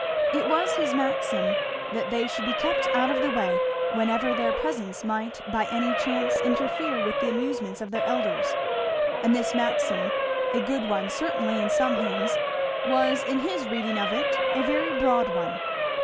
It was his maxim that they should be kept out of the way whenever their presence might by any chance interfere with the amusements of their elders; and this maxim, a good one certainly in some hands, was in his reading of it a very broad one.